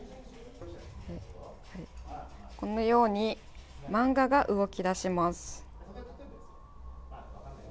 このように漫画が動き出します。